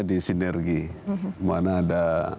di sinergi mana ada